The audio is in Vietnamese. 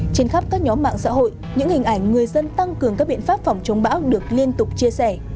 trên khắp các nhóm mạng xã hội những hình ảnh người dân tăng cường các biện pháp phòng chống bão được liên tục chia sẻ